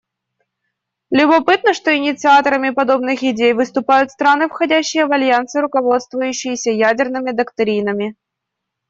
Любопытно, что инициаторами подобных идей выступают страны, входящие в альянсы, руководствующиеся ядерными доктринами.